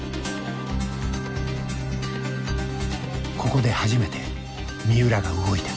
ここで初めて三浦が動いた。